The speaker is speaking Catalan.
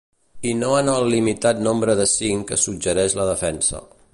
I no en el limitat nombre de cinc que suggereix la defensa.